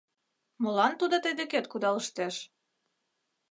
Молан тудо тый декет кудалыштеш?